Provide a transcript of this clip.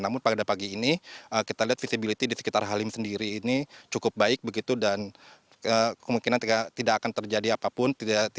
namun pada pagi ini kita lihat visibility di sekitar halim sendiri ini cukup baik begitu dan kemungkinan tidak akan terjadi apapun